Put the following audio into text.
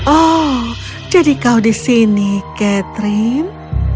oh jadi kau di sini catherine